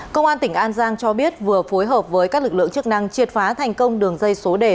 công an tỉnh an giang cho biết vừa phối hợp với các lực lượng chức năng triệt phá thành công đường dây số đề